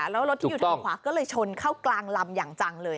แล้วรถที่อยู่ทางขวาก็เลยชนเข้ากลางลำอย่างจังเลย